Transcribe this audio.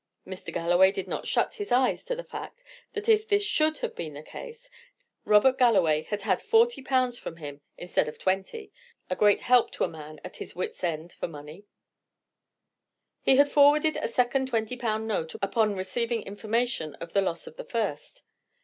Mr. Galloway did not shut his eyes to the fact that if this should have been the case, Robert Galloway had had forty pounds from him instead of twenty a great help to a man at his wits' ends for money. He had forwarded a second twenty pound note, upon receiving information of the loss of the first.